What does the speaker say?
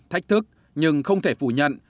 thách thức nhưng không thể phủ nhận